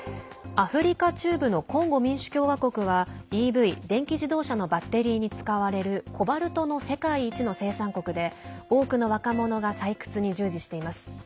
アフリカ中部のコンゴ民主共和国はＥＶ＝電気自動車のバッテリーに使われるコバルトの世界一の生産国で多くの若者が採掘に従事しています。